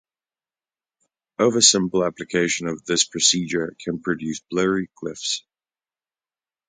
Over-simple application of this procedure can produce blurry glyphs.